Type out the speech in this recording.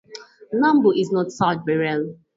Nanbu is not served by rail.